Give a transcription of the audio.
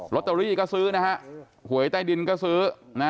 โรตเตอรี่ก็ซื้อหวยใต้ดินก็ซื้อ